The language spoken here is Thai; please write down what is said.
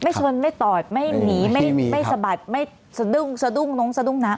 ชนไม่ตอดไม่หนีไม่สะบัดไม่สะดุ้งสะดุ้งน้องสะดุ้งนะ